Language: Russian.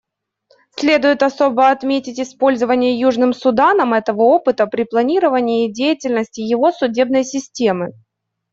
Следует особо отметить использование Южным Суданом этого опыта при планировании деятельности его судебной системы.